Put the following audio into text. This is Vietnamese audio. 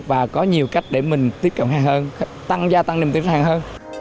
và có nhiều cách để mình tiếp cận hàng hơn tăng gia tăng niềm tin hàng hơn